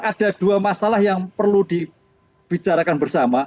ada dua masalah yang perlu dibicarakan bersama